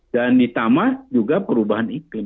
dan ditambah juga perubahan iklim